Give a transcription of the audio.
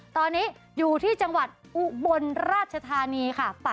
ตอนนี้อยู่ที่จังหวัดอุบลราชธานีค่ะ